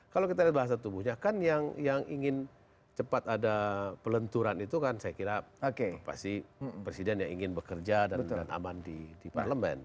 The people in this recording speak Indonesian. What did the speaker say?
kalau kita lihat bahasa tubuhnya kan yang ingin cepat ada pelenturan itu kan saya kira pasti presiden yang ingin bekerja dan aman di parlemen